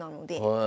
へえ。